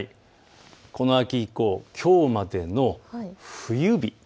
この秋以降、きょうまでの冬日。